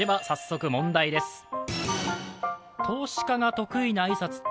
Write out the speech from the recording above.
早速問題です。